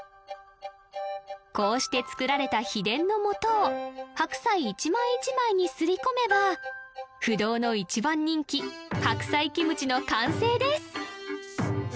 こうして作られた秘伝の素を白菜一枚一枚に擦り込めば不動の１番人気白菜キムチの完成です！